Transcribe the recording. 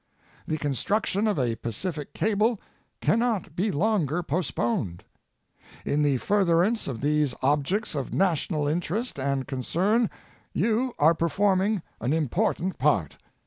The construction of a Pacific cable cannot be longer postponed. In the furtherance of these objects of national in terest and concern you are performing an important part.